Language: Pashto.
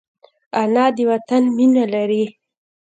انا د وطن مینه لري